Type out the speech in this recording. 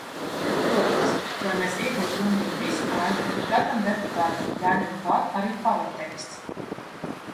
Protams, lai mēs iegūtu pilnīgi visu ainu, ir katram deputātam jāņem klāt arī pamatteksts.